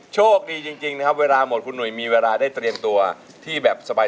โชคดีจริงนะครับเวลาหมดคุณหนุ่ยมีเวลาได้เตรียมตัวที่แบบสบาย